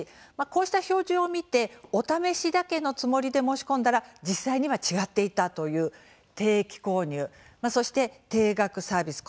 こうした表示を見てお試しだけのつもりで申し込んだら、実際には違っていたという定期購入そして、定額サービス。